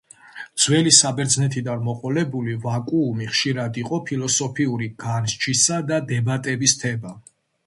ძველი საბერძნეთიდან მოყოლებული ვაკუუმი ხშირად იყო ფილოსოფიური განსჯისა და დებატების თემა.